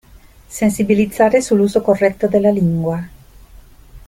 Sensibilizzare sull'uso corretto della lingua.